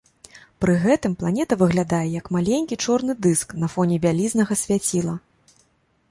Пры гэтым планета выглядае як маленькі чорны дыск на фоне вялізнага свяціла.